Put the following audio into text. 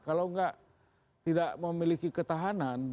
kalau tidak memiliki ketahanan